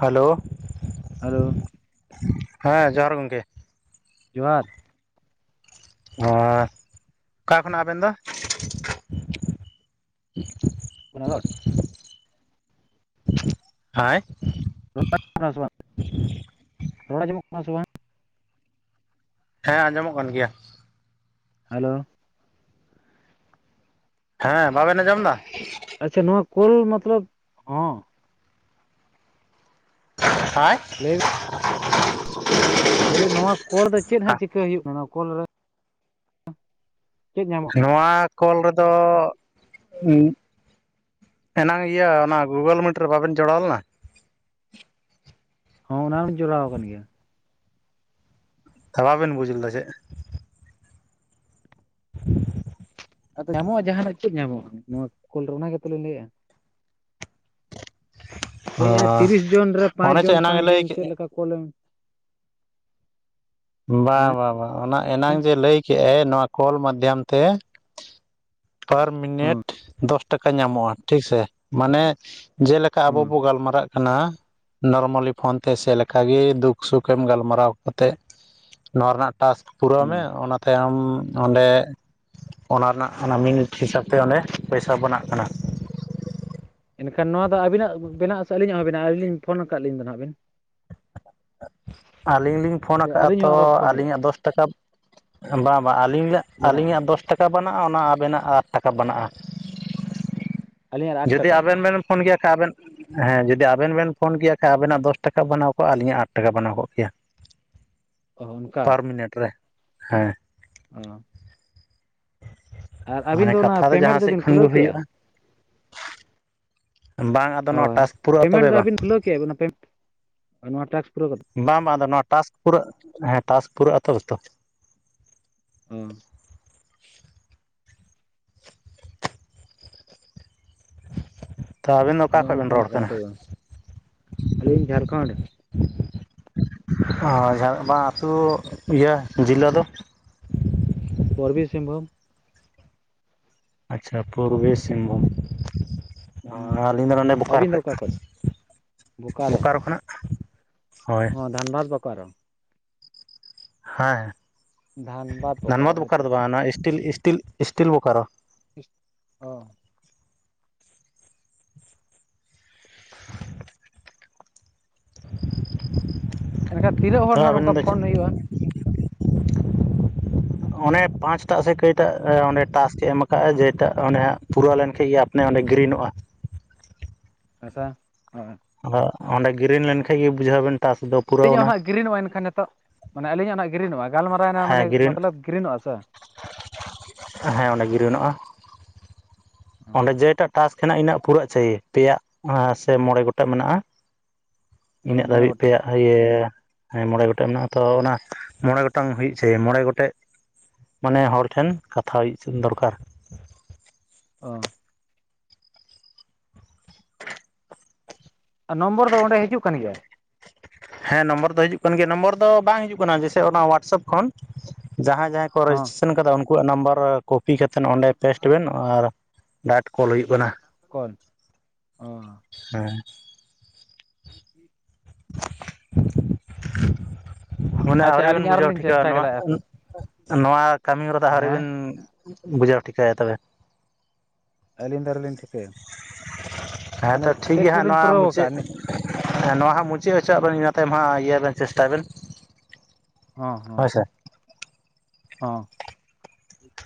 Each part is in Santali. ᱦᱮᱞᱳ? ᱦᱮᱞᱳ? ᱦᱮᱸ, ᱡᱚᱦᱟᱨ ᱜᱚᱢᱠᱮ! ᱡᱚᱦᱟᱨ᱾ ᱚ ᱚᱠᱟ ᱠᱷᱚᱱᱟᱜ ᱟᱹᱵᱮᱱ ᱫᱚ? [unintelligible] [unintelligible] [unintelligible] ᱨᱚᱲ ᱟᱸᱡᱚᱢᱚᱜ ᱠᱟᱱᱟ ᱥᱮᱵᱟᱝ? ᱦᱮᱸ ᱟᱸᱡᱚᱢᱚᱜ ᱠᱟᱱ ᱜᱮᱭᱟ᱾ ᱦᱮᱞᱳ ᱦᱮᱸ ᱵᱟᱵᱮᱱ ᱟᱸᱡᱚᱢ ᱮᱫᱟ᱾ ᱟᱪᱪᱷᱟ ᱱᱚᱣᱟ ᱠᱳᱞ ᱢᱚᱛᱞᱚᱵᱽ ᱦᱚᱸ [unintelligible] [unintelligible] [unintelligible] ᱱᱚᱣᱟ ᱠᱚᱞ ᱫᱚ ᱪᱮᱫ ᱦᱟᱸᱜ ᱪᱤᱠᱟᱹ ᱦᱩᱭᱩᱜ ᱠᱟᱱᱟ ᱱᱚᱣᱟ ᱠᱚᱞ ᱨᱮ? ᱪᱮᱫ ᱧᱟᱢᱚᱜ ᱱᱚᱣᱟ ᱠᱚᱞ ᱨᱮᱫᱚ [unintelligible] ᱮᱱᱟᱝ ᱤᱭᱟᱹ ᱚᱱᱟ ᱜᱩᱜᱚᱞ ᱢᱤᱴ ᱨᱮ ᱵᱟᱵᱮᱱ ᱡᱚᱲᱟᱣ ᱞᱮᱱᱟ᱾ ᱦᱚᱸ ᱚᱱᱟ ᱦᱚᱸᱧ ᱡᱚᱲᱟᱣ ᱠᱟᱱ ᱜᱮᱭᱟ᱾ [unintelligible] ᱵᱮᱱ ᱵᱩᱡᱽ ᱞᱮᱫᱟ ᱪᱮ᱾ [inaudible] ᱟᱫᱚ ᱧᱟᱢᱚᱜᱼᱟ ᱡᱟᱦᱟᱱᱟᱜ ᱪᱮᱫ ᱧᱟᱢᱚᱜᱼᱟ ᱱᱚᱣᱟ ᱠᱚᱞ ᱨᱮ ᱚᱱᱟ ᱜᱮᱛᱚᱞᱤᱧ ᱞᱟᱹᱭᱮᱜᱼᱟ᱾ ᱚ ᱞᱟᱹᱭᱮᱼᱟ ᱛᱤᱨᱤᱥ ᱡᱚᱱ ᱨᱮ ᱯᱟᱸᱪ ᱚᱱᱮ ᱪᱮ ᱡᱚᱱ ᱮᱱᱟᱝ ᱯᱟᱸᱪ ᱮ ᱞᱟᱹᱭ ᱡᱚᱱ ᱠᱮᱫ ᱪᱮᱫ ᱞᱮᱠᱟ ᱠᱚᱞᱮᱢᱼᱼ ᱵᱟᱝ ᱵᱟᱝ ᱵᱟᱝ ᱚᱱᱟ ᱮᱱᱟᱝ ᱡᱮ ᱞᱟᱹᱭ ᱠᱮᱫᱟᱭ ᱱᱚᱣᱟ ᱠᱚᱞ ᱢᱟᱫᱽᱫᱷᱚᱢ ᱛᱮ ᱯᱟᱨ ᱢᱤᱱᱤᱴ ᱦᱚᱸ ᱫᱚᱥ ᱴᱟᱠᱟ ᱧᱟᱢᱚᱜᱼᱟ ᱴᱷᱤᱠ ᱥᱮ ᱢᱟᱱᱮᱼᱼ ᱡᱮᱞᱮᱠᱟ ᱟᱵᱚ ᱦᱚᱸ ᱵᱚ ᱜᱟᱞᱢᱟᱨᱟᱜᱼᱼ ᱠᱟᱱᱟ ᱱᱚᱨᱢᱟᱞᱤ ᱯᱷᱳᱱ ᱛᱮ ᱥᱮ ᱞᱮᱠᱟ ᱜᱮ ᱫᱩᱠ ᱥᱩᱠᱮᱢ ᱜᱟᱞᱢᱟᱨᱟᱣ ᱠᱟᱛᱮ ᱱᱚᱣᱟ ᱨᱮᱱᱟᱜ ᱴᱟᱥᱠᱥ ᱯᱩᱨᱟᱹᱣ ᱦᱚᱸ ᱢᱮ ᱚᱱᱟᱼᱼ ᱛᱟᱭᱚᱢ ᱚᱸᱰᱮ ᱚᱱᱟ ᱨᱮᱱᱟᱜ ᱚᱱᱟ ᱢᱤᱱᱤᱴ ᱦᱤᱥᱟᱹᱵᱽ ᱛᱮ ᱚᱸᱰᱮ ᱯᱚᱭᱥᱟ ᱵᱮᱱᱟᱜ ᱠᱟᱱᱟ᱾ ᱮᱱᱠᱷᱟᱱ ᱱᱚᱣᱟ ᱫᱚ ᱟᱹᱵᱤᱱᱟᱜ ᱵᱮᱱᱟᱜ ᱥᱮ ᱟᱹᱞᱤᱧᱟᱜ ᱵᱮᱱᱟᱜᱼᱟ ᱟᱹᱞᱤ ᱞᱤᱧ ᱯᱷᱳᱱ ᱠᱟᱫ ᱞᱤᱧ ᱫᱚ ᱦᱟᱜ ᱵᱤᱱ? ᱟᱹᱞᱤᱧ ᱞᱤᱧ ᱯᱷᱳᱱ ᱥᱮ ᱠᱟᱜᱼᱟ ᱟᱹᱞᱤᱧ ᱛᱚ ᱦᱚᱸ ᱟᱨᱚ ᱯᱷᱳᱱ ᱦᱩᱭᱩᱜᱼᱟ ᱟᱹᱞᱤᱧᱟᱜ ᱫᱚᱥ ᱴᱟᱠᱟ ᱵᱟᱝ ᱵᱟᱝ ᱟᱹᱞᱤ [unintelligible] ᱵᱮᱱᱟᱜᱼᱟ ᱟᱹᱞᱤᱧᱟᱜ ᱫᱚᱥ ᱴᱟᱠᱟ ᱵᱮᱱᱟᱜᱼᱟ ᱚᱱᱟ ᱟᱵᱮᱱᱟᱜ ᱟᱴ ᱴᱟᱠᱟ ᱵᱮᱱᱟᱜᱼᱟ᱾ ᱟᱹᱞᱤᱧᱟᱜ ᱟᱴ ᱡᱩᱫᱤ ᱴᱟᱠᱟ ᱟᱵᱮᱱ ᱵᱮᱱ ᱯᱷᱳᱱ ᱠᱮᱭᱟ ᱥᱮ ᱟᱵᱮᱱ ᱦᱮᱸ ᱡᱩᱫᱤ ᱟᱵᱮᱱ ᱵᱮᱱ ᱯᱷᱳᱱ ᱠᱮᱭᱟ ᱥᱮ ᱟᱵᱮᱱᱟᱜ ᱫᱚᱥ ᱴᱟᱠᱟ ᱵᱮᱱᱟᱣ ᱠᱚᱜᱼᱟ ᱟᱹᱞᱤᱧᱟᱜ ᱟᱴ ᱴᱟᱠᱟ ᱵᱮᱟᱱᱟᱣ ᱠᱚᱜ ᱠᱮᱭᱟ ᱚ ᱚᱱᱠᱟ ᱯᱟᱨ ᱢᱤᱱᱤᱴ ᱨᱮ ᱦᱮᱸ [unintelligible] ᱟᱨ ᱟᱹᱵᱤᱱ ᱢᱟᱱᱮ ᱫᱚ ᱚᱱᱟ ᱠᱟᱛᱷᱟ ᱡᱟᱦᱟᱸ ᱯᱮᱢᱮᱱᱴ ᱥᱮᱫ ᱫᱚᱵᱤᱱ ᱠᱷᱚᱱ ᱠᱷᱩᱞᱟᱹᱣ ᱜᱮ ᱠᱮᱼᱟ᱾ ᱦᱩᱭᱩᱜᱼᱟ ᱵᱟᱝ ᱟᱫᱚ ᱱᱚᱣᱟ ᱦᱳᱭ ᱴᱟᱥᱠ ᱯᱩᱨᱟᱹᱜᱼᱟ ᱯᱮᱢᱮᱱᱴ ᱛᱚᱵᱮ ᱫᱚ ᱵᱟᱝ ᱟᱹᱵᱤᱱ ᱠᱷᱩᱞᱟᱹᱣ ᱠᱮᱼᱟ [unintelligible] ᱱᱚᱣᱟ ᱴᱟᱠᱥ ᱯᱩᱨᱟᱹᱣ ᱠᱟᱛᱮᱫ ᱵᱟᱝ ᱵᱟᱝ ᱟᱫᱚ ᱱᱚᱣᱟ ᱴᱟᱥᱠ ᱯᱩᱨᱟᱹᱜ ᱦᱮᱸ ᱴᱟᱥᱠ ᱯᱩᱨᱟᱹᱜᱼᱟ ᱛᱚᱵᱮ ᱛᱚ᱾ ᱦᱚᱸ ᱛᱚ ᱟᱵᱤᱱ ᱫᱚ ᱚᱠᱟ ᱱᱚᱜᱼᱚ ᱠᱷᱚᱱᱵᱤᱱ ᱨᱚᱲ ᱱᱚᱝᱠᱟᱱᱟᱜ ᱠᱟᱱᱟ? ᱛᱚᱵᱮ ᱵᱟᱝ? ᱟᱹᱞᱤᱧ ᱡᱷᱟᱲᱠᱷᱚᱸᱰ [unintelligible] ᱵᱟᱝ ᱟᱹᱛᱩ ᱤᱭᱟᱹ ᱡᱤᱞᱟᱹ ᱫᱚ ᱯᱩᱨᱵᱤ ᱥᱤᱝᱵᱷᱩᱢ᱾ ᱟᱪᱪᱷᱟ ᱯᱩᱨᱵᱤ ᱥᱤᱝᱵᱷᱩᱢ᱾ ᱦᱩᱸ ᱟᱹᱞᱤᱧ ᱫᱚ ᱱᱚᱰᱮ ᱵᱳᱠᱟᱨ ᱟᱹᱵᱤᱱ ᱫᱚ ᱠᱷᱚᱡ ᱚᱠᱟ ᱵᱳᱠᱟᱨᱳ ᱵᱳᱠᱟᱨ ᱠᱷᱚᱱᱟᱜ᱾ ᱦᱳᱭ ᱦᱚᱸ ᱫᱷᱟᱱᱵᱟᱫᱽ ᱵᱳᱠᱟᱨᱳ᱾ ᱦᱮᱸ ᱫᱷᱟᱱᱵᱟᱫᱽ ᱫᱷᱟᱱᱵᱟᱫᱽ ᱵᱳᱠᱟᱨᱳ ᱦᱳᱭᱛᱚ ᱫᱚ ᱵᱟᱝ ᱱᱚᱣᱟ ᱤᱥᱴᱤᱞ ᱤᱥᱴᱤᱞ ᱤᱥᱴᱤᱞ ᱵᱳᱠᱟᱨᱳ᱾ ᱤᱥᱴ ᱚ ᱮᱱᱠᱷᱟᱱ ᱛᱤᱱᱟᱹᱜ ᱛᱚ ᱦᱚᱲ ᱦᱟᱸᱜ ᱱᱚᱝᱠᱟ ᱟᱵᱮᱱ ᱫᱚ ᱯᱷᱳᱱ ᱦᱳᱭᱳᱜᱼᱟ? ᱚᱱᱮ ᱯᱟᱸᱪᱴᱟᱜ ᱥᱮ ᱠᱟᱹᱭᱴᱟᱜ ᱚᱸᱰᱮ ᱴᱟᱠᱥ ᱮᱢ ᱠᱟᱜᱼᱟ ᱡᱮᱴᱟ ᱦᱟᱜ ᱯᱩᱨᱟᱹᱣ ᱞᱮᱱᱷᱟᱡ ᱜᱮ ᱟᱯᱱᱮ ᱚᱸᱰᱮ ᱜᱤᱨᱤᱱᱚᱜᱼᱟ᱾ [unintelligible] ᱟᱫᱚ ᱚᱸᱰᱮ ᱜᱮᱨᱤᱱ ᱞᱮᱱᱠᱟᱡ ᱜᱮ ᱵᱩᱡᱷᱟᱹᱣᱟᱵᱮᱱ ᱴᱟᱥ ᱫᱚ ᱟᱹᱞᱤᱧᱟᱜ ᱯᱩᱨᱟᱹᱣᱱᱟ ᱦᱚᱸ ᱱᱟᱜ ᱜᱤᱨᱤᱱ ᱟᱣᱟᱮᱱ ᱠᱷᱟᱱ ᱱᱤᱛᱚᱜ ᱢᱟᱱᱮ ᱟᱹᱞᱤᱧᱟᱜ ᱦᱚ ᱱᱟᱜ ᱜᱤᱨᱤᱱᱚᱜᱼᱟ᱾ ᱜᱟᱞᱢᱟᱨᱟᱣᱮᱱᱟ ᱦᱮᱸ ᱢᱟᱱᱮ ᱜᱨᱤᱱ ᱢᱚᱛᱞᱚᱵ ᱜᱽᱨᱤᱱᱚᱜᱼᱟ ᱥᱮ᱾ ᱦᱮᱸ ᱚᱸᱰᱮ ᱜᱨᱤᱱᱚᱜᱼᱟ᱾ ᱚᱸᱰᱮ ᱡᱮᱴᱟᱜ ᱴᱟᱥᱠ ᱦᱮᱱᱟᱜ ᱤᱱᱟᱹᱜ ᱯᱩᱨᱟᱹᱜ ᱪᱟᱭᱮ ᱛᱮᱭᱟᱜ ᱟᱸ ᱥᱮ ᱢᱚᱬᱮ ᱜᱚᱴᱮᱡ ᱢᱮᱱᱟᱜᱼᱟ᱾ ᱦᱳᱭ ᱤᱱᱟᱹᱜ ᱢᱚᱬᱮ ᱫᱷᱟᱹᱵᱤᱡ ᱜᱚᱴᱮᱡ ᱛᱮᱭᱟᱜ ᱤᱭᱟᱹ ᱦᱮᱸ ᱢᱚᱬᱮ ᱜᱚᱴᱮᱡ ᱢᱮᱱᱟᱜᱼᱟ ᱛᱚ ᱚᱱᱟ ᱢᱚᱬᱮ ᱜᱚᱴᱟᱝ ᱦᱩᱭᱩᱜ ᱪᱟᱭᱮᱢ ᱢᱚᱬᱮ ᱜᱚᱴᱮᱡ ᱢᱟᱱᱮ ᱦᱚᱲ ᱴᱷᱮᱱ ᱠᱟᱛᱷᱟ ᱦᱩᱭᱩᱜ ᱫᱚ ᱫᱨᱠᱟᱨ᱾ ᱚ᱾ [inaudible] ᱟᱨ ᱱᱚᱢᱵᱚᱨ ᱫᱚ ᱚᱸᱰᱮ ᱦᱤᱡᱩᱜ ᱠᱟᱱ ᱜᱮᱭᱟᱭ᱾ ᱦᱮᱸ ᱱᱚᱢᱵᱚᱨ ᱫᱚ ᱦᱤᱡᱩᱜ ᱠᱟᱱ ᱜᱮᱭᱟ᱾ ᱱᱚᱢᱵᱚᱨ ᱫᱚ ᱵᱟᱝ ᱦᱤᱡᱩᱜ ᱠᱟᱱᱟ ᱡᱮᱭᱥᱮ ᱚᱱᱟ ᱦᱳᱣᱟᱴᱥᱮᱯ ᱠᱷᱚᱱ ᱡᱟᱦᱟᱸᱭ ᱡᱟᱦᱟᱸᱭ ᱠᱚ ᱦᱚᱸ ᱨᱮᱡᱤᱥᱴᱨᱮᱥᱚᱱ ᱠᱟᱫᱟ ᱩᱱᱠᱩᱣᱟᱜ ᱱᱟᱢᱵᱟᱨ ᱠᱚᱯᱤ ᱠᱟᱛᱮ ᱚᱸᱰᱮ ᱯᱮᱥᱴ ᱵᱮᱱ ᱟᱨ ᱰᱟᱴ ᱠᱚᱞ ᱦᱩᱭᱩᱜ ᱠᱟᱱᱟ᱾ ᱠᱚᱞ ᱚ ᱦᱮᱸ᱾ [unintelligible] ᱦᱩᱱᱟ ᱟᱪᱪᱷᱟ ᱟᱹᱣᱨᱤ ᱵᱮᱱ ᱟᱹᱞᱤᱧ ᱟᱨᱚ ᱵᱩᱡᱷᱟᱹᱣ ᱞᱤᱧ ᱴᱷᱤᱠᱟᱣᱟ ᱪᱮᱥᱴᱟ ᱜᱮ ᱱᱚᱣᱟ᱾ ᱦᱟᱯᱮ ᱱᱚᱣᱟ ᱠᱟᱹᱢᱤ ᱦᱚᱨᱟ ᱫᱚ ᱟᱹᱣᱨᱤ ᱦᱮᱸ ᱵᱮᱱ ᱵᱩᱡᱷᱟᱹᱣ ᱴᱷᱤᱠᱟᱭᱟ ᱛᱚᱵᱮ᱾ ᱟᱹᱞᱤᱧ ᱫᱚ ᱟᱹᱣᱨᱤ ᱞᱤᱧ ᱴᱷᱤᱠᱟᱹᱭᱟ᱾ ᱢᱟᱱᱮ ᱴᱮᱠᱥ ᱫᱚᱞᱤᱧ ᱯᱩᱨᱟᱹᱣ ᱟᱠᱟ-ᱟ ᱱᱮᱦ ᱮᱸ ᱱᱚᱣᱟ ᱦᱟᱸᱜ ᱢᱩᱪᱟᱹᱫ ᱦᱚᱪᱚᱣᱟᱜ ᱵᱮᱱ ᱤᱱᱟᱹ ᱛᱟᱭᱚᱢ ᱦᱟᱸᱜ ᱤᱭᱟᱹᱭ ᱵᱮᱱ ᱪᱮᱥᱴᱟᱭ ᱵᱮᱱ᱾ ᱦᱚᱸ ᱦᱳᱭ ᱦᱚᱸ᱾ ᱥᱮ ᱦᱚᱸ᱾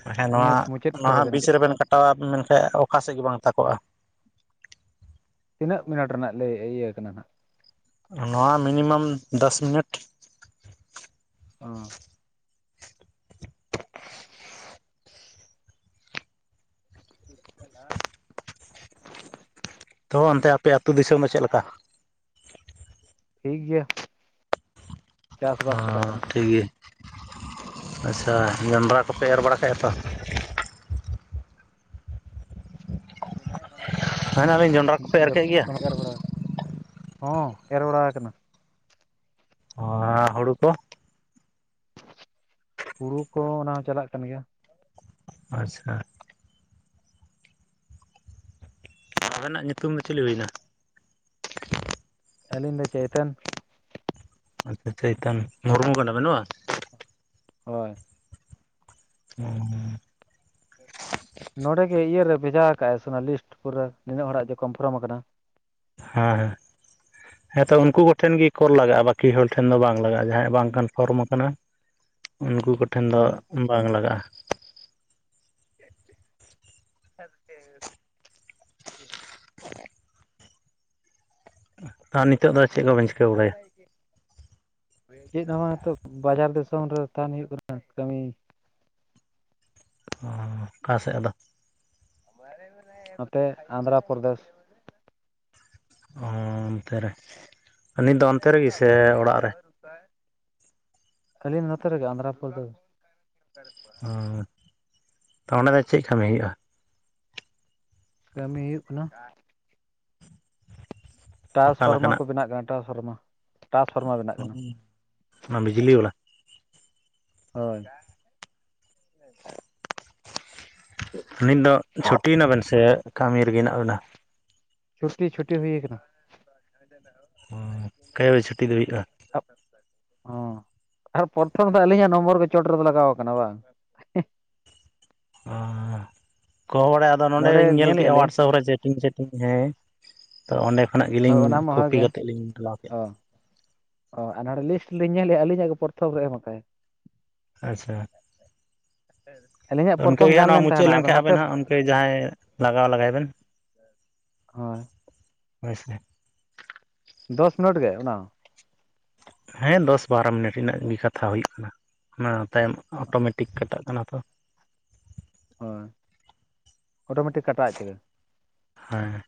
ᱦᱮᱸ ᱦᱮᱸ ᱱᱚᱣᱟ ᱱᱤᱭᱟᱹ ᱢᱩᱪᱟᱹᱫ ᱱᱚᱣᱟ ᱠᱚᱨᱮ ᱦᱚᱸ ᱜᱮ ᱵᱤᱪ ᱱᱟᱦᱟᱜ ᱨᱮᱵᱮᱱ ᱠᱟᱴᱟᱣᱟ ᱢᱮᱱᱠᱷᱟᱡ ᱚᱠᱟᱥᱮᱫ ᱜᱮ ᱵᱟᱝ ᱛᱟᱠᱚᱜᱼᱟ᱾ ᱛᱤᱱᱟᱹᱜ ᱢᱤᱱᱟᱴ ᱨᱮᱱᱟᱜ ᱞᱮᱭ ᱤᱭᱟᱹᱣ ᱠᱟᱱᱟ ᱱᱟᱦᱜ᱾ ᱱᱚᱣᱟ ᱢᱤᱱᱤᱢᱟᱢ ᱫᱟᱥ ᱢᱤᱱᱤᱴ᱾ ᱚᱸ᱾ [unintelligible] ᱛᱚ ᱚᱱᱛᱮ ᱟᱯᱮ ᱟᱹᱛᱩ ᱫᱤᱥᱚᱢ ᱫᱚ ᱪᱮᱫ ᱞᱮᱠᱟ? ᱴᱷᱤᱠ ᱜᱮᱭᱟ᱾ ᱚ ᱪᱟᱥᱵᱟᱥ ᱪᱟᱞᱟᱜ ᱠᱟᱱᱟ ᱴᱷᱤᱠ ᱜᱮᱭᱟ᱾ ᱟᱪᱪᱷᱟ ᱡᱚᱱᱰᱨᱟ ᱠᱚᱯᱮ ᱮᱨ ᱵᱟᱲᱟ ᱠᱮᱜ-ᱟ ᱛᱚ᱾ [unintelligible] ᱢᱮᱱᱟᱞᱤᱧ ᱡᱚᱱᱰᱨᱟ ᱠᱚᱯᱮ ᱮᱨ ᱠᱮᱫ ᱜᱮᱭᱟ ᱦᱚᱸ ᱮᱨ ᱵᱟᱲᱟᱣ ᱠᱟᱱᱟ᱾ ᱚᱸ ᱦᱩᱲᱩ ᱠᱚ᱾ ᱦᱩᱲᱩ ᱠᱚ ᱚᱱᱟ ᱦᱚᱸ ᱪᱟᱞᱟᱜ ᱠᱟᱱ ᱜᱮᱭᱟ᱾ ᱟᱪᱪᱷᱟ᱾ ᱟᱵᱮᱱᱟᱜ ᱧᱩᱛᱩᱢ ᱫᱚ ᱪᱤᱞᱤ ᱦᱩᱭᱱᱟ? ᱟᱞᱤᱧ ᱫᱚ ᱪᱚᱭᱛᱚᱱ᱾ ᱦᱮᱸ ᱛᱚ ᱪᱳᱭᱛᱚᱱ᱾ ᱢᱩᱨᱢᱩ ᱠᱟᱱᱟ ᱵᱮᱱ ᱵᱟᱝ᱾ ᱦᱳᱭ᱾ [unintelligible] ᱱᱚᱰᱮᱜ ᱜᱮ ᱤᱭᱟᱹᱨᱮ ᱵᱷᱮᱡᱟᱣ ᱠᱟᱜ-ᱟᱭ ᱥᱮ ᱚᱱᱟ ᱞᱤᱥᱴ ᱯᱩᱨᱟᱹ ᱱᱤᱱᱟᱹᱜ ᱦᱚᱲᱟᱜ ᱜᱮ ᱠᱚᱱᱯᱷᱟᱨᱢ ᱟᱠᱟᱱᱟ᱾ ᱦᱮᱸ ᱦᱮᱸ᱾ ᱦᱮᱸᱛᱚ ᱩᱱᱠᱩ ᱠᱚᱴᱷᱮᱱ ᱜᱮ ᱠᱚᱞ ᱞᱟᱜᱟᱜᱼᱟᱺ ᱵᱟᱠᱤ ᱦᱚᱲ ᱴᱷᱮᱱ ᱫᱚ ᱵᱟᱝ ᱞᱟᱜᱟᱜᱼᱟ᱾ ᱡᱟᱦᱟᱸᱭ ᱵᱟᱝ ᱠᱟᱱ ᱯᱷᱚᱨᱚᱢ ᱠᱟᱱᱟ ᱩᱱᱠᱩ ᱠᱚᱴᱷᱮᱱ ᱫᱚ ᱦᱳᱭ ᱵᱟᱝ ᱞᱟᱜᱟᱜᱼᱟ᱾ [unintelligible] [inaudible] ᱟᱨ ᱱᱤᱛᱚᱜ ᱫᱚ ᱪᱮᱫ ᱠᱚᱵᱮᱱ ᱪᱤᱠᱟᱹ ᱵᱟᱲᱟᱭᱟ [unintelligible] ᱪᱮᱫ ᱦᱚᱸ ᱵᱟᱝ ᱱᱤᱛᱳ ᱵᱟᱡᱟᱨ ᱫᱤᱥᱚᱢ ᱨᱮ ᱛᱟᱦᱮᱱ ᱦᱩᱭᱩᱜ ᱠᱟᱱᱟ ᱠᱟᱹᱢᱤ, ᱚᱸᱻ ᱚᱠᱟ ᱥᱮᱫ ᱟᱫᱚ? ᱱᱚᱛᱮ ᱟᱫᱷᱨᱚᱯᱨᱚᱫᱮᱥ᱾ ᱚᱻ ᱚᱱᱛᱮ ᱨᱮ ᱱᱤᱛ ᱫᱚ ᱚᱱᱛᱮ ᱨᱮᱜᱮ ᱥᱮ ᱦᱚᱸ ᱚᱲᱟᱜ ᱨᱮ? ᱟᱹᱞᱤᱧ ᱱᱚᱛᱮ ᱨᱮᱜᱮ ᱟᱸᱫᱷᱨᱟᱯᱨᱚᱫᱮᱥ ᱾ ᱛᱚ ᱚᱸᱰᱮ ᱫᱚ ᱪᱮᱫ ᱠᱟᱹᱢᱤ ᱦᱩᱭᱩᱜ-ᱟ? ᱠᱟᱹᱢᱤ ᱦᱩᱭᱩᱜ ᱠᱟᱱᱟ᱾ ᱴᱨᱟᱱᱥ ᱚᱠᱟ ᱯᱷᱟᱨᱢᱟ ᱞᱮᱠᱟᱱᱟᱜ ᱠᱚ ᱵᱮᱱᱟᱜ ᱠᱟᱱᱟ ᱴᱨᱟᱱᱥ ᱯᱷᱟᱨᱢᱟ ᱴᱟᱥ ᱯᱷᱟᱨᱢᱟ ᱵᱮᱱᱟᱜ ᱠᱟᱱᱟ ᱚᱱᱟ ᱵᱤᱡᱽᱞᱤ ᱵᱟᱞᱟ? ᱦᱳᱭ᱾ [unintelligible] ᱱᱤᱛ ᱫᱚ ᱪᱷᱩᱴᱤᱭᱮᱱᱟᱵᱮᱱ ᱥᱮ ᱠᱟᱹᱢᱤ ᱨᱮᱜᱮ ᱦᱮᱱᱟᱜ ᱵᱮᱱᱟ᱾ ᱪᱷᱩᱴᱤ ᱪᱷᱩᱴᱤ ᱦᱩᱭ ᱠᱟᱱᱟ᱾ ᱚᱠᱟ ᱵᱟᱡᱮ ᱪᱷᱩᱴᱤ ᱫᱚ ᱦᱩᱭᱩᱜᱼᱟ ᱚ [unintelligible] ᱟᱨ ᱯᱨᱚᱛᱷᱚᱢ ᱫᱚ ᱟᱹᱞᱤᱧᱟᱜ ᱱᱚᱢᱵᱚᱨ ᱜᱮ ᱪᱚᱴ ᱨᱮ ᱞᱟᱜᱟᱣ ᱠᱟᱱᱟ ᱵᱟᱝ? [unintelligible] ᱟᱫᱚ ᱱᱚᱸᱰᱮ ᱱᱚᱸᱰᱮᱧ ᱧᱮᱞ ᱧᱮᱞᱮᱫᱼᱟ ᱠᱮᱫ-ᱟ ᱞᱤᱧ ᱦᱚᱣᱟᱴᱥᱮᱯ ᱨᱮ ᱪᱮᱴᱤᱝ ᱥᱮᱴᱤᱝ ᱦᱮᱸ ᱛᱚ ᱚᱸᱰᱮ ᱠᱷᱚᱱᱟᱜ ᱦᱳᱭ ᱜᱮᱞᱤᱧ ᱚᱱᱟ ᱢᱟ ᱦᱳᱭ ᱠᱚᱯᱤ ᱜᱮ ᱠᱟᱛᱮᱫ ᱞᱤᱧ ᱴᱟᱞᱟᱣ ᱠᱮᱫ᱾ ᱚ ᱚ ᱟᱨ ᱱᱚᱰᱮ ᱞᱤᱥᱴ ᱞᱤᱧ ᱧᱮᱞᱮᱫ-ᱟ ᱟᱹᱞᱤᱧᱟᱜ ᱜᱮ ᱯᱨᱚᱛᱷᱚᱢ ᱨᱮ ᱮᱢ ᱟᱠᱟᱭ᱾ ᱟᱪᱪᱷᱟ, [inaudible] ᱚᱱᱠᱟ ᱜᱮ ᱦᱟᱸᱜ ᱜᱟᱱ ᱱᱚᱣᱟ ᱞᱮᱱ ᱢᱩᱪᱟᱹᱫ ᱛᱟᱦᱮᱱᱟ ᱟᱫᱚ ᱞᱮᱱᱠᱷᱟᱡ ᱦᱟᱱᱛᱮ ᱟᱵᱮᱱ ᱦᱟᱸᱜ ᱜᱚᱝᱠᱮ ᱡᱟᱦᱟᱸᱭ ᱞᱟᱜᱟᱣ ᱞᱟᱜᱟᱭ ᱵᱮᱱ᱾ ᱦᱳᱭ, ᱦᱳᱭ ᱥᱮ [inaudible] ᱫᱚᱥ ᱢᱤᱱᱤᱴ ᱜᱮ ᱚᱱᱟ ᱦᱚ ᱦᱮᱸ ᱫᱚᱥ ᱵᱟᱨᱚ ᱢᱤᱱᱤᱴ ᱨᱮᱱᱟᱜ ᱜᱮ ᱠᱟᱛᱷᱟ ᱦᱩᱭ ᱠᱟᱱᱟ ᱚᱱᱟ ᱛᱟᱭᱚᱢ ᱚᱴᱳᱢᱮᱴᱤᱠ ᱠᱟᱴᱟᱜ ᱠᱟᱱᱟ ᱛᱚ᱾ ᱦᱮᱸ, ᱚᱴᱳᱢᱮᱴᱤᱠ ᱠᱟᱴᱟᱜᱟ ᱟᱡ ᱛᱮᱜᱮ᱾ ᱦᱮᱸ,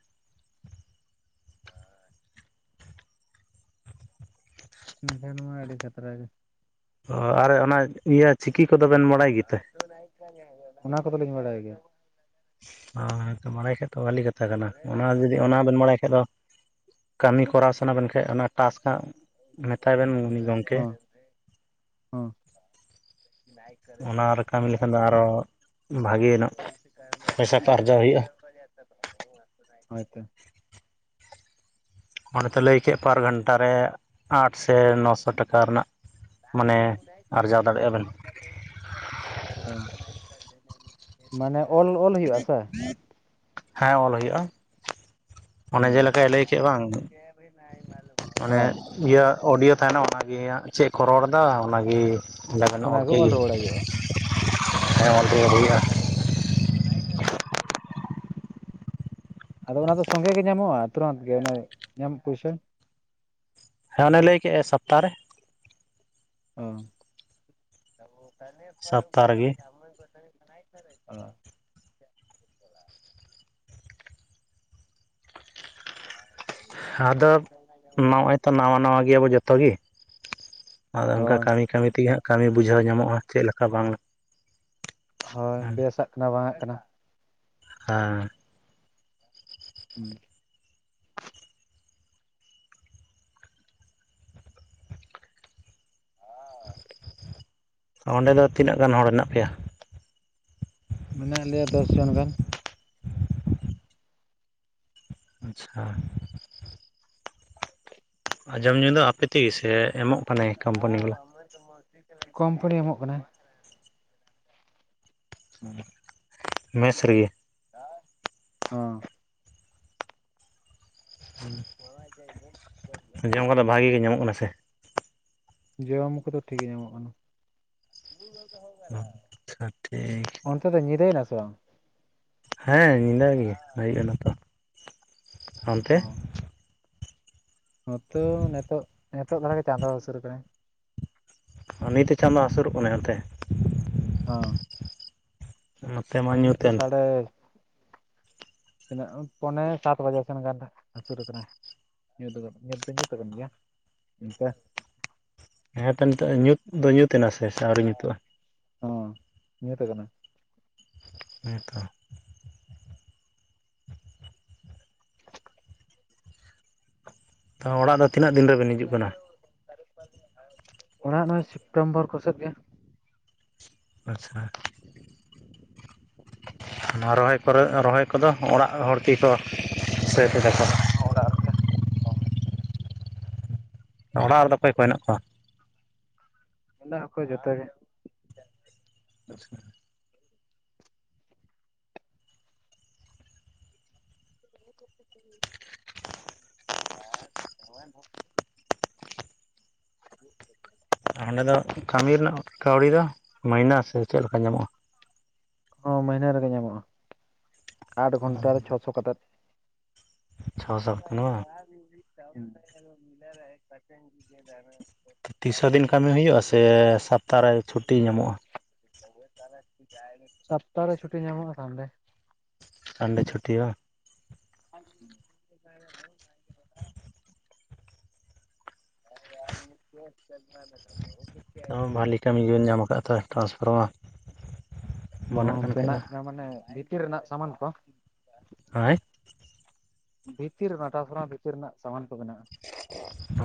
ᱮᱱᱟ ᱠᱷᱟᱱ ᱢᱟ ᱟᱹᱰᱤ ᱠᱷᱟᱛᱨᱟ ᱜᱮ᱾ ᱚ ᱟᱨ ᱚᱱᱟ ᱤᱭᱟᱹ ᱪᱤᱠᱤ ᱠᱚᱫᱚ ᱵᱮᱱ ᱵᱟᱲᱟᱭ ᱜᱮ ᱛᱮ? ᱚᱱᱟ ᱠᱚᱫᱚ ᱞᱤᱧ ᱵᱟᱲᱟᱭ ᱜᱮᱭᱟ ᱾ ᱦᱳᱭᱛᱚ [unintelligible] ᱵᱟᱲᱟᱭ ᱠᱷᱟᱡ ᱫᱚ ᱵᱷᱟᱹᱞᱤ ᱠᱟᱛᱷᱟ ᱠᱟᱱᱟ ᱚᱱᱟ ᱡᱩᱫᱤ ᱚᱱᱟ ᱵᱮᱱ ᱵᱟᱲᱟᱭ ᱠᱷᱟᱡ ᱫᱚ, ᱠᱟᱹᱢᱤ ᱠᱚᱨᱟᱣ ᱥᱟᱱᱟ ᱵᱮᱱ ᱠᱷᱟᱡ ᱚᱱᱟ ᱴᱟᱥ ᱦᱟᱸᱜ ᱢᱮᱛᱟᱭ ᱵᱮᱱ ᱩᱱᱤ ᱜᱚᱢᱠᱮ᱾ ᱦᱚᱸ [unintelligible] [unintelligible] ᱚᱱᱟ ᱨᱮ ᱠᱟᱹᱢᱤ ᱞᱮᱠᱷᱟᱱ ᱫᱚ ᱟᱨᱚ ᱵᱷᱟᱜᱮ ᱧᱚᱜ ᱯᱚᱭᱥᱟ ᱠᱚ ᱟᱨᱡᱟᱣ ᱦᱩᱭᱩᱜᱼᱟ [unintelligible] ᱚᱱᱮ ᱛᱚ ᱞᱟᱹᱭ ᱠᱮᱫ ᱯᱟᱨ ᱜᱷᱚᱱᱴᱟ ᱨᱮ ᱟᱴ ᱥᱮ ᱱᱚᱥᱚ ᱴᱟᱠᱟ ᱨᱮᱱᱟᱜ, ᱢᱟᱱᱮ ᱟᱨᱡᱟᱣ ᱫᱟᱲᱮᱭᱟᱜ-ᱟ ᱵᱮᱱ᱾ ᱢᱟᱱᱮ ᱚᱞ ᱚᱞ ᱦᱩᱭᱩᱜ-ᱟ ᱥᱮ? ᱦᱮᱸ ᱚᱞ ᱦᱩᱭᱩᱜ-ᱟ᱾ ᱚᱱᱮ ᱦᱳᱭ ᱡᱮᱞᱮᱠᱟᱭ ᱞᱟᱹᱭ ᱠᱮᱫ ᱵᱟᱝ ᱚᱱᱮ ᱦᱳᱭ ᱤᱭᱟᱹ ᱚᱰᱤᱭᱳ ᱛᱟᱦᱮᱸᱱᱟ ᱚᱱᱟ ᱜᱮᱜ ᱪᱮᱫ ᱠᱚ ᱨᱚᱲ ᱮᱫᱟ ᱚᱱᱟᱜᱮ ᱚᱸᱰᱮ ᱵᱮᱱ [unintelligible] ᱚᱞ ᱚᱱᱟᱜᱮ ᱠᱮᱫ ᱜᱮ ᱨᱩᱣᱟᱹᱲ ᱦᱩᱭᱩᱜᱼᱟ ᱦᱳᱭ᱾ ᱦᱮᱸ [inaudible] ᱚᱞᱪᱮ [inaudible] ᱦᱩᱭᱩᱜᱼᱟ [unintelligible] [inaudible] ᱟᱫᱚ ᱚᱱᱟ ᱫᱚ ᱥᱚᱸᱜᱮ ᱜᱮ ᱧᱟᱢᱚᱜᱼᱟ ᱛᱩᱨᱟᱹᱫ ᱜᱮ ᱧᱟᱢ ᱯᱩᱭᱥᱟᱹ? ᱦᱮᱸ ᱚᱱᱮ ᱞᱟᱹᱭ ᱠᱮᱫ ᱮ ᱥᱚᱯᱛᱟᱨᱮ᱾ ᱚ ᱥᱚᱯᱛᱟ ᱨᱮᱜᱮ [unintelligible] ᱟᱫᱚ ᱱᱚᱜᱼᱚᱭ ᱛᱚ ᱱᱟᱣᱟ ᱱᱟᱣᱟ ᱜᱮᱭᱟ ᱵᱚ ᱡᱚᱛᱚ ᱜᱮ᱾ ᱟᱫᱚ ᱚᱱᱠᱟ ᱦᱳᱭ ᱠᱟᱹᱢᱤ ᱠᱟᱹᱢᱤ ᱛᱮᱜᱮ ᱦᱟᱸᱜ ᱠᱟᱹᱢᱤ ᱵᱩᱡᱷᱟᱹᱣ ᱧᱟᱢᱚᱜᱼᱟ ᱪᱮᱫ ᱞᱮᱠᱟ ᱵᱟᱝ᱾ ᱦᱳᱭ ᱵᱮᱥᱟᱜ ᱠᱟᱱᱟ ᱵᱟᱝᱟᱜ ᱠᱟᱱᱟ᱾ ᱦᱮᱸ ᱦᱩᱸ ᱚᱸᱰᱮ ᱫᱚ ᱛᱤᱱᱟᱹᱜ ᱜᱟᱱ ᱦᱚᱲ ᱦᱮᱱᱟᱜ ᱯᱮᱭᱟ‍? ᱢᱮᱱᱟᱜ ᱞᱮᱭᱟ ᱫᱚᱥ ᱡᱚᱱ ᱜᱟᱱ᱾ ᱟᱪᱪᱷᱟ, ᱟᱨ ᱡᱚᱢ ᱧᱩ ᱫᱚ ᱟᱯᱮ ᱛᱮᱜᱮ ᱥᱮ ᱮᱢᱚᱜ ᱠᱟᱱᱟᱭ? ᱠᱳᱢᱯᱟᱱᱤ ᱵᱟ ᱵᱟᱞᱟ ᱵᱟ ᱠᱚᱢᱯᱟᱱᱤ ᱮᱢᱚᱜ ᱠᱟᱱᱟᱭ᱾ ᱢᱮᱥ ᱨᱮᱜᱮ, ᱚ [inaudible] [inaudible] ᱡᱚᱢ ᱠᱚ ᱫᱚ ᱵᱷᱟᱜᱮ ᱜᱮ ᱧᱟᱢᱚᱜ ᱠᱟᱱᱟ ᱥᱮ? ᱡᱚᱢ ᱠᱚᱫᱚ ᱴᱷᱤᱠ ᱜᱮ ᱧᱟᱢᱚᱜ ᱠᱟᱱᱟ ᱟᱪᱪᱷᱟ ᱴᱷᱤᱠ ᱚᱱ ᱛᱮ ᱫᱚ ᱧᱤᱫᱟᱹᱭ ᱱᱟᱥᱮ ᱵᱟᱝ? ᱦᱮᱸ, ᱧᱤᱫᱟᱹ ᱜᱤᱭᱟᱹ᱾ ᱟᱹᱭᱩᱵᱽ ᱱᱟᱛᱚ ᱚ, ᱱᱚᱛᱮ ᱦᱚᱸ ᱱᱮᱛᱚᱜ ᱱᱮᱛᱚᱜ ᱞᱟᱦᱟᱸ ᱜᱮ ᱪᱟᱸᱫᱳ ᱦᱟᱹᱥᱩᱨ ᱠᱟᱱᱟᱭ᱾ ᱱᱤᱛ ᱪᱟᱸᱫᱳ ᱦᱟᱹᱥᱩᱨᱚᱜ ᱠᱟᱱᱟᱭ ᱚᱱᱛᱮ? ᱦᱚᱸ, ᱱᱚᱛᱮ ᱢᱟ ᱱᱤᱛ ᱫᱚ ᱧᱩᱛᱮᱱ ᱥᱟᱰᱮ ᱛᱤᱱᱟᱹᱜ ᱯᱚᱱᱮ ᱥᱟᱛ ᱵᱟᱡᱮ ᱥᱮᱱ ᱜᱟᱱ ᱦᱟᱹᱥᱩᱨ ᱠᱟᱱᱟᱭ᱾ ᱧᱩᱛ ᱜᱚᱫ ᱧᱩᱛ ᱫᱚ ᱧᱩᱛ ᱠᱟᱱ ᱜᱮᱭᱟ ᱮᱱᱛᱮ ᱦᱮᱸ ᱛᱚ ᱱᱤᱛᱚᱜ ᱧᱩᱛ ᱫᱚ ᱧᱩᱛ ᱮᱱᱟ ᱥᱮ ᱟᱹᱣᱨᱤ ᱧᱩᱛᱚᱜᱼᱟ? ᱦᱚᱸ ᱧᱩᱛ ᱠᱟᱱᱟ᱾ ᱦᱮᱸ ᱛᱷᱚ ᱛᱚ ᱚᱲᱟᱜ ᱫᱚ ᱛᱤᱱᱟᱹᱜ ᱫᱤᱱ ᱨᱮᱵᱤᱱ [unintelligible] ᱚᱲᱟᱜ ᱱᱚᱜᱚᱭ ᱥᱮᱯᱴᱮᱢᱵᱚᱨ ᱠᱚ ᱥᱮᱫ ᱜᱮ᱾ ᱟᱪᱪᱷᱟ, ᱱᱚᱣᱟ ᱨᱚᱦᱚᱭ ᱠᱚ ᱨᱮ ᱨᱚᱦᱚᱭ ᱠᱚ ᱫᱚ ᱚᱲᱟᱜ ᱦᱚᱲ ᱛᱮ ᱜᱮ ᱠᱚ ᱥᱟᱹᱛ ᱫᱟᱠᱚ ᱤᱧ ᱦᱚ ᱚᱲᱟᱜ ᱨᱮᱜᱮ ᱚᱲᱟᱜ ᱨᱮᱫᱚ ᱚᱠᱚᱭ ᱠᱚ ᱦᱮᱱᱟᱜ ᱠᱚᱣᱟ? ᱦᱮᱸᱱᱟᱜ ᱠᱚ ᱡᱷᱚᱛ ᱜᱮ᱾ [inaudible] [unintelligible] ᱟᱪᱪᱷᱟ ᱟᱪᱪᱷᱟ, ᱚᱸᱰᱮ ᱫᱚ ᱠᱟᱹᱢᱤ ᱨᱮᱱᱟᱜ ᱠᱟᱹᱣᱰᱤ ᱫᱚ ᱢᱟᱹᱭᱱᱟᱹ ᱥᱮ ᱪᱮᱫ ᱞᱮᱠᱟ ᱧᱟᱢᱚᱜᱼᱟ? ᱦᱚᱸ ᱢᱟᱹᱭᱦᱱᱟᱹ ᱨᱮ ᱜᱮ ᱧᱟᱢᱚᱜᱼᱟ᱾ ᱟᱴ ᱜᱷᱚᱱᱴᱟ ᱨᱮ ᱪᱷᱚᱥᱚ ᱠᱟᱛᱮᱫ᱾ ᱪᱷᱚ ᱥᱟᱛ ᱫᱤᱱ ᱵᱟᱝ [inaudible] ᱛᱤᱱᱥᱚ ᱫᱤᱱ ᱠᱟᱹᱢᱤ ᱦᱳᱭᱳᱜᱼᱟ ᱥᱮ ᱥᱚᱯᱛᱟ ᱨᱮ ᱪᱷᱩᱴᱤ ᱧᱟᱢᱚᱜᱼᱟ? ᱥᱚᱯᱛᱟ ᱨᱮ ᱪᱷᱩᱴᱤ ᱧᱟᱢᱚᱜᱼᱟ ᱛᱟᱦᱚᱞᱮ᱾ ᱥᱟᱱᱰᱮ ᱪᱷᱩᱴᱤᱼᱟ᱾ [unintelligible] [unintelligible] ᱟᱨ ᱢᱩᱠᱷᱮᱥ ᱛᱚ ᱪᱟᱞ [unintelligible] ᱵᱷᱟᱞᱤ ᱠᱟᱹᱢᱤ ᱜᱮᱵᱮᱱ ᱧᱟᱢ ᱟᱠᱟᱜ-ᱟ ᱛᱚ ᱴᱨᱟᱱᱥᱯᱷᱟᱨᱚᱜ-ᱟ᱾ ᱦᱚᱸ ᱵᱮᱱᱟᱜ ᱠᱟᱱᱟ ᱢᱟᱱᱮ ᱵᱷᱤᱛᱤᱨ ᱨᱮᱱᱟᱜ ᱥᱟᱢᱟᱱ ᱠᱚ᱾ [inaudible] ᱦᱚᱭ ᱾ ᱵᱷᱤᱛᱤᱨ ᱨᱮ ᱚᱱᱟ ᱴᱨᱟᱱᱥᱯᱷᱟᱨᱢᱟᱨ ᱵᱷᱤᱛᱤᱨ ᱨᱮᱱᱟᱜ ᱥᱟᱢᱟᱱ ᱠᱚ ᱵᱮᱱᱟᱜ-ᱟ᱾ ᱚᱻ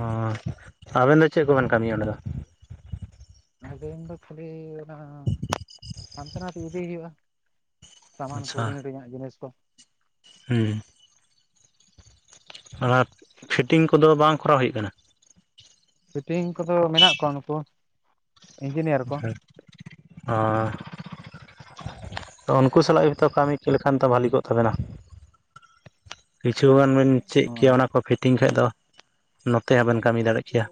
ᱟᱵᱮᱱ ᱫᱚ ᱪᱮᱫ ᱠᱚᱵᱮᱱ ᱠᱟᱹᱢᱤᱭᱟ ᱚᱸᱰᱮ ᱫᱚ? ᱟᱹᱞᱤᱟ ᱫᱚ ᱠᱷᱟᱹᱞᱤ ᱚᱱᱟ ᱦᱟᱱᱛᱮ ᱱᱟᱛᱮ ᱤᱫᱤ ᱦᱩᱭᱩᱜ-ᱟ᱾ ᱥᱟᱢᱟᱱ ᱠᱩ ᱦᱩᱰᱤᱝ ᱦᱩᱰᱤᱝ ᱦᱩᱰᱤᱝ ᱟᱜ ᱡᱤᱱᱤᱥ ᱠᱚ᱾ ᱦᱩᱸ ᱾ ᱚᱱᱟ ᱯᱷᱤᱴᱤᱝ ᱠᱚᱫᱚ ᱵᱟᱝ ᱠᱚᱨᱟᱣ ᱦᱳᱭᱳᱜ ᱠᱟᱱᱟ? ᱯᱷᱤᱴᱤᱝ ᱠᱚ ᱫᱚ ᱢᱮᱱᱟᱜ ᱠᱚᱣᱟ ᱱᱩᱠᱩ ᱾ [inaudible] ᱚᱻ [inaudible] ᱛᱚ ᱩᱱᱠᱩ ᱥᱟᱞᱟᱜ ᱜᱮ ᱛᱚ ᱠᱟᱹᱢᱤ ᱞᱮᱠᱷᱟᱱ ᱛᱚ ᱵᱷᱟᱞᱤ ᱠᱚᱜ ᱛᱟᱵᱮᱱᱟ᱾ ᱠᱤᱪᱷᱩ ᱜᱟᱱ ᱵᱤᱱ ᱪᱮᱫ ᱠᱮᱭᱟ ᱚᱱᱟ ᱠᱚ ᱯᱷᱤᱴᱤᱝ ᱠᱷᱟᱡ ᱫᱚ ᱾ ᱱᱚᱛᱮ ᱦᱚᱸ ᱵᱮᱱ ᱠᱟᱹᱢᱤ ᱫᱟᱲᱮᱜ ᱠᱮᱭᱟ᱾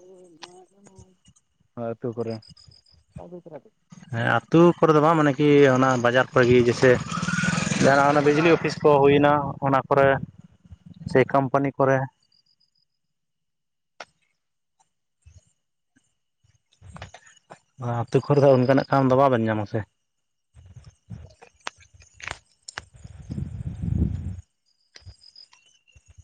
[inaudible] ᱦᱳᱭ ᱟᱹᱛᱩ ᱠᱚᱨᱮ [inaudible] ᱦᱮᱸ ᱟᱹᱛᱩ ᱠᱚᱨᱮ ᱫᱚ ᱵᱟᱝ, ᱢᱟᱱᱮ ᱠᱤ ᱚᱱᱟ ᱵᱟᱡᱟᱨ ᱠᱚᱨᱮ ᱜᱤ ᱡᱮᱭᱥᱮ ᱡᱟᱦᱱᱟᱜ ᱚᱱᱟ ᱵᱤᱡᱽᱞᱤ ᱚᱯᱷᱤᱥ ᱠᱚ ᱦᱩᱭ ᱮᱱᱟ ᱚᱱᱟ ᱠᱚᱨᱮ, ᱥᱮ ᱠᱳᱢᱯᱟᱹᱱᱤ ᱠᱚᱨᱮ᱾ ᱟᱹᱛᱩ ᱠᱚᱨᱮ ᱫᱚ ᱚᱱᱠᱟᱱᱟᱜ ᱠᱟᱢ ᱫᱚ ᱵᱟᱵᱮᱱ ᱧᱟᱢᱟ ᱥᱮ᱾